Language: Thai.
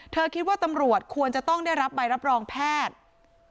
คิดว่าตำรวจควรจะต้องได้รับใบรับรองแพทย์